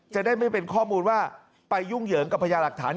จะได้ไม่เป็นข้อมูลว่าไปยุ่งเหยิงกับพญาหลักฐาน